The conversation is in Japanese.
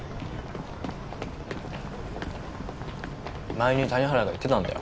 前に谷原が言ってたんだよ